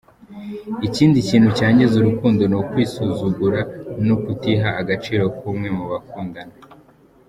Ikindi kintu cyangiza urukundo ni ukwisuzugura no kutiha agaciro k’umwe mu bakundana.